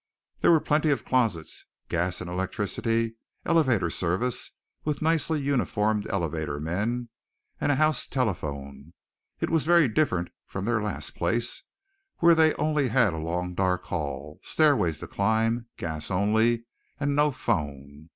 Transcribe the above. There were plenty of closets, gas and electricity, elevator service with nicely uniformed elevator men, and a house telephone. It was very different from their last place, where they only had a long dark hall, stairways to climb, gas only, and no phone.